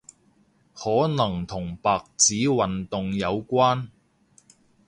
可能同白紙運動有關